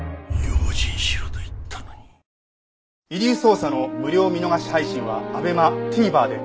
『遺留捜査』の無料見逃し配信はＡＢＥＭＡＴＶｅｒで。